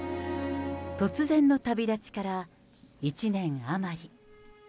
突然の旅立ちから１年余り。